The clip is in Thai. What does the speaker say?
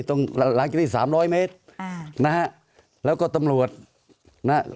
หลังจากที่สามร้อยเมตรอ่านะฮะแล้วก็ตำรวจนะฮะ